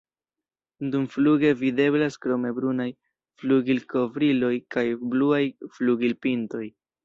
Dumfluge videblas krome brunaj flugilkovriloj kaj bluaj flugilpintoj.